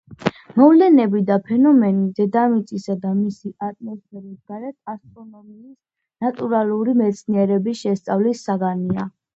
მოვლენები და ფენომენი დედამიწისა და მისი ატმოსფეროს გარეთ ასტრონომიის ნატურალური მეცნიერების შესწავლის საგანია.